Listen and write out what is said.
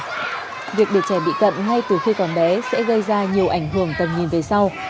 đối với các em việc để trẻ bị cận ngay từ khi còn bé sẽ gây ra nhiều ảnh hưởng tầm nhìn về sau